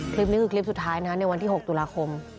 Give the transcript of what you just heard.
คลิปนี้คือคลิปสุดท้ายนะในวันที่๖ตุลาคม